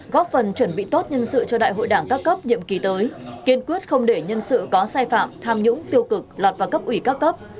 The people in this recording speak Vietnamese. góp phần chuẩn bị tốt nhân sự cho đại hội đảng các cấp nhiệm kỳ tới kiên quyết không để nhân sự có sai phạm tham nhũng tiêu cực lọt vào cấp ủy các cấp